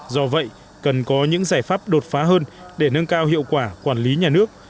do vậy cần có những giải pháp đột phá hơn để nâng cao hiệu quả quản lý nhà nước